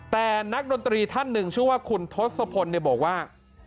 แต่นักดนตรีท่านหนึ่งชื่อว่าคุณทศพลบอกว่า